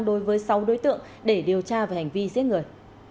đối với sáu đối tượng để điều tra về hành vi giết người